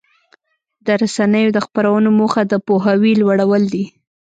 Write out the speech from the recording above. د رسنیو د خپرونو موخه د پوهاوي لوړول دي.